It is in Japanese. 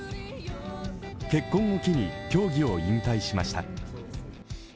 結婚を機に競技を引退しました。